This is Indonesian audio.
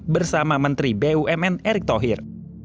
bersama menteri bumn erick thohir